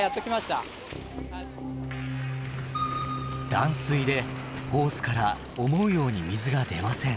断水でホースから思うように水が出ません。